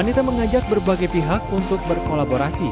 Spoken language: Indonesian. anita mengajak berbagai pihak untuk berkolaborasi